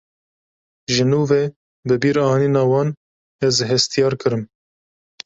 Ji nû ve bibîranîna wan, ez hestyar kirim